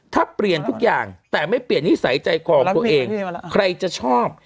ถ้าเปลี่ยนทุกอย่างแต่ไม่เปลี่ยนนิสัยใจคอของตัวเองใครจะชอบ